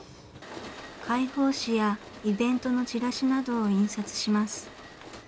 会報誌やイベントのチラシなどを印刷します。